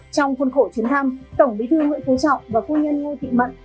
trong khuôn khổ chuyến thăm tổng bí thư nguyễn phú trọng và phu nhân ngô thị mận